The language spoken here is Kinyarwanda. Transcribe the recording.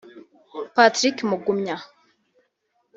Patrick Mugumya